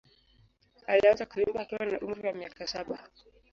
Alianza kuimba akiwa na umri wa miaka saba.